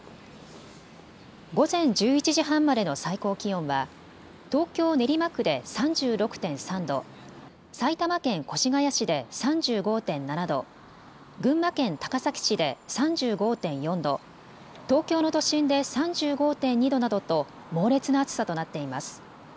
午前１１時半までの最高気温は東京練馬区で３６．３度、埼玉県越谷市で３５．７度、群馬県高崎市で３５．４度、東京の都心で３５．２度などと猛烈な暑さとなっています。